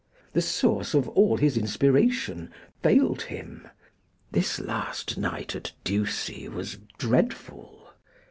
The source of all his inspiration failed him; this last night at Ducie was dreadful.